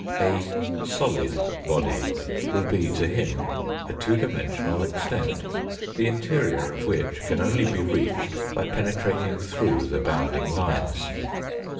A " solid " body will be to him a two dimensional extent, the interior of which can only be reached by penetrating through the bounding lines.